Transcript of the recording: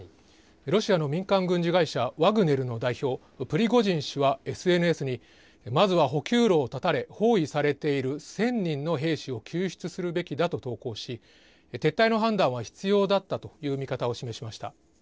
ロシアの民間軍事会社、ワグネルの代表、プリゴジン氏はＳＮＳに、まずは補給路を断たれ、包囲されている１０００人の兵士を救出するべきだと投稿し、撤退の判断は必要だったという見方を示しました。